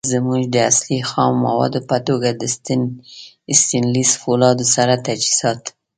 زمونږ د اصلی. خامو موادو په توګه د ستينليس فولادو سره تجهیزات